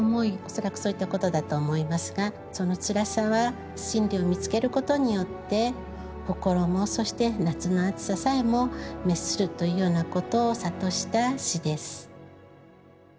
恐らくそういったことだと思いますが「そのつらさは真理を見つけることによって心もそして夏の熱ささえも滅する」というようなことを諭した詩です。